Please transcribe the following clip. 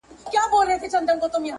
نازل شوی په قاضي د چا ایات دی